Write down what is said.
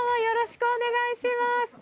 よろしくお願いします。